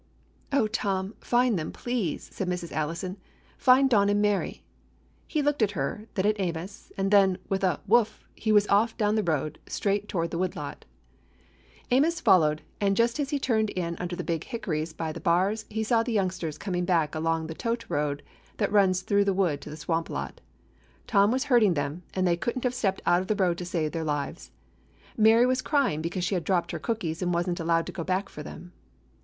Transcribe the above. "Oh, Tom, find them, please," said Mrs. Allison. "Find Don and Mary!" He looked at her, then at Amos, and then, with a "Woof!" he was off down the road, straight toward the wood lot. 244 A DOG OF THE EASTERN STATES Amos followed, and just as he turned in under the big hickories by the bars, he saw the youngsters coming back along the tote road that runs through the wood to the swamp lot. Tom was herding them, and they could n't have stepped out of the road to save their lives. Mary was crying because she had dropped her cookies and was n't allowed to go back for them.